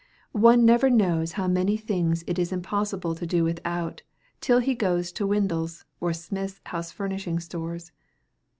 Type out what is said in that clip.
One never knows how many things it is impossible to do without till he goes to Windle's or Smith's house furnishing stores.